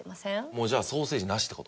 もうじゃあソーセージなしって事？